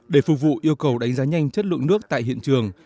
để phục vụ yêu cầu đánh giá nhanh chất lượng nước tại hiện trường